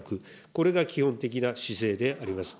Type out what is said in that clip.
これが基本的な姿勢であります。